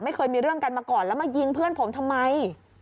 ไม่เคยมีเรื่องกันมาก่อนแล้วมายิงเพื่อนผมทำไม